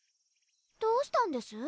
どうしたんです？